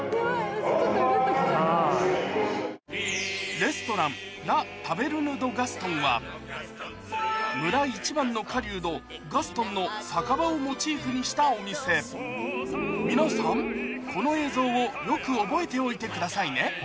レストラン村一番の狩人ガストンの酒場をモチーフにしたお店皆さんこの映像をよく覚えておいてくださいね